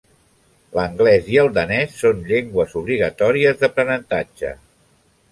L'anglès i el danès són llengües obligatòries d'aprenentatge.